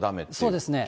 そうですね。